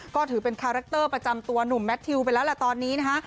ก็ถือเป็นคาแรคเตอร์ประจำตัวหนุ่มแมททิวไปแล้วแหละตอนนี้นะคะ